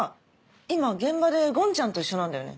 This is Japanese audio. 今現場でごんちゃんと一緒なんだよね。